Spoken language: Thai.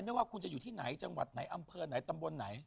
ไม่ว่าคุณจะอยู่ที่ไหนจังหวัดไหนอำเภอไหนตำบลไหน